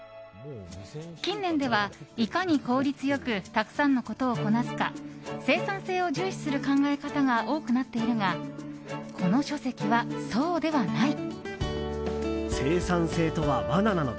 近年では、いかに効率良くたくさんのことをこなすか生産性を重視する考え方が多くなっているがこの書籍はそうではない。